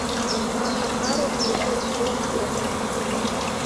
Аԥароуп зегьы рхи-рҵыхәеи.